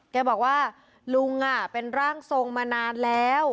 แกบอกว่าลุงเป็นร่างทรงมานานแล้ว